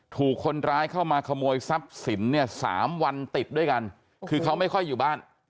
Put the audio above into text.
ถูกคนร้ายเข้ามาขโมยทรัพย์สินเนี่ย๓วันติดด้วยกันคือเขาไม่ค่อยอยู่บ้าน